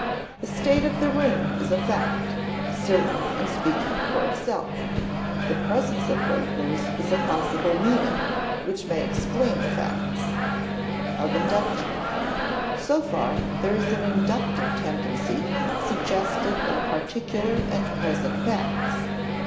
The state of the room is a fact, certain and speaking for itself; the presence of burglars is a possible meaning which may explain the facts. [Sidenote: of induction,] So far there is an inductive tendency, suggested by particular and present facts.